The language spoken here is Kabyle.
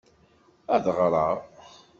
Ad ɣreɣ.